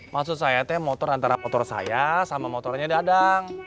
maksud saya motor antara motor saya sama motornya dadang